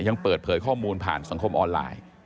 ยังเปิดเผยข้อมูลผ่านสังคมออนไลน์